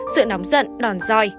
sự nóng giận đòn roi